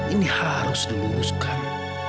ini harus diluruskan